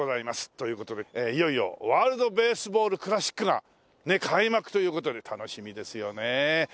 という事でいよいよワールドベースボールクラシックが開幕という事で楽しみですよね。